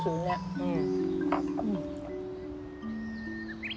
うん。